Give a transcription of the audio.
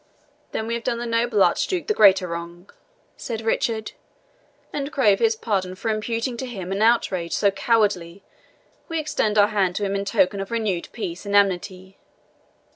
"Then we have done the noble Archduke the greater wrong," said Richard; "and craving his pardon for imputing to him an outrage so cowardly, we extend our hand to him in token of renewed peace and amity.